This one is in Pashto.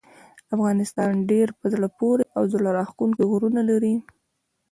افغانستان ډیر په زړه پورې او زړه راښکونکي غرونه لري.